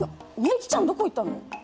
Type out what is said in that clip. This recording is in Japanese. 幸ちゃんどこ行ったの？